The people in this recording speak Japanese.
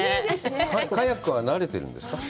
カヤックはなれてるんですか？